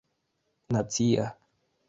nacia